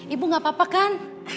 ibu gak apa apa kan